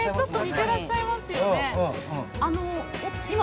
似ていらっしゃいますね。